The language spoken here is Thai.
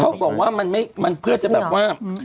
เขาบอกว่ามันเพื่อจะแบบว่า